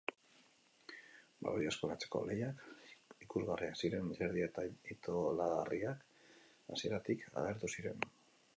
Baloia eskuratzeko lehiak ikusgarriak ziren, izerdia eta itolarriak hasieratik agertu ziren.